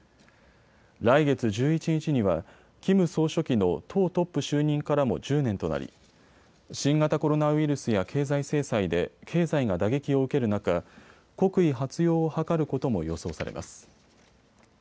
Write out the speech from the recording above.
来月１１日にはキム総書記の党トップ就任からも１０年となり新型コロナウイルスや経済制裁で経済が打撃を受ける中、国威発揚を図ることも予想されます。